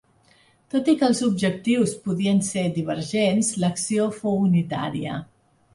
Tot i que els objectius podien ésser divergents, l'acció fou unitària.